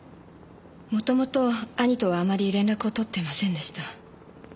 元々兄とはあまり連絡をとっていませんでした。